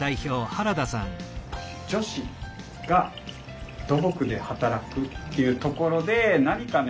女子が土木で働くっていうところで何かね